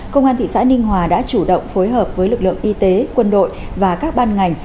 công an thị xã ninh hòa đã chủ động phối hợp với lực lượng y tế quân đội và các ban ngành